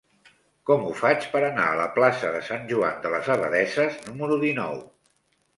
Com ho faig per anar a la plaça de Sant Joan de les Abadesses número dinou?